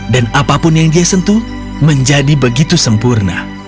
dan apapun yang dia sentuh menjadi begitu sempurna